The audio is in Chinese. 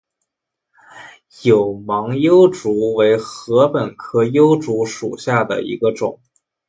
有芒筱竹为禾本科筱竹属下的一个种。